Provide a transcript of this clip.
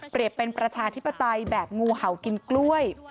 เป็นประชาธิปไตยแบบงูเห่ากินกล้วย